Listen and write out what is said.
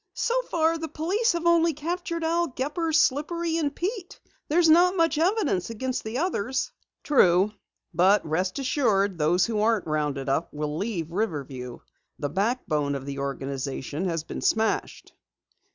"So far the police have only captured Al Gepper, Slippery and Pete. There's not much evidence against the others." "True, but rest assured those who aren't rounded up will leave Riverview. The backbone of the organization has been smashed."